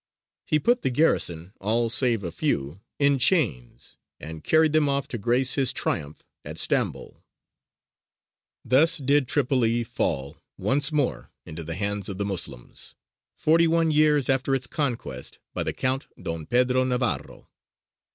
He put the garrison all save a few in chains, and carried them off to grace his triumph at Stambol. Thus did Tripoli fall once more into the hands of the Moslems, forty one years after its conquest by the Count Don Pedro Navarro.